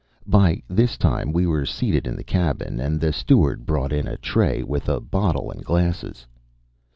By this time we were seated in the cabin and the steward brought in a tray with a bottle and glasses.